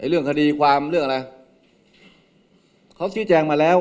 เรื่องคดีความเรื่องอะไรเขาชี้แจงมาแล้ว